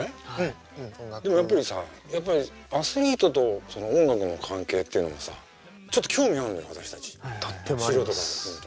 でもやっぱりさアスリートと音楽の関係っていうのもさちょっと興味あるのよ私たち素人からすると。